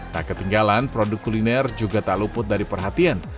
tak ketinggalan produk kuliner juga tak luput dari perhatian